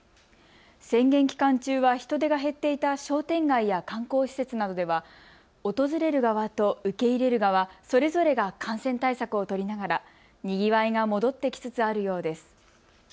宣言期間中は人出が減っていた商店街や観光施設などでは訪れる側と受け入れる側、それぞれが感染対策を取りながらにぎわいが戻ってきつつあるようです。